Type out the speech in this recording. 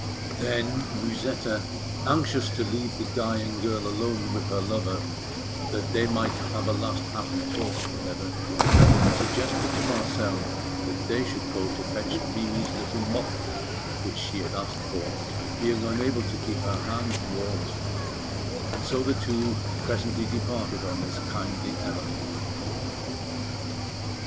Then Musetta, anxious to leave the dying girl alone with her lover, that they might have a last happy talk together, suggested to Marcel that they should go to fetch Mimi's little muff, which she had asked for, being unable to keep her hands warm; and so the two presently departed on this kindly errand.